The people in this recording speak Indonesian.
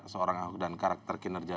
seorang ahok dan karakter kinerja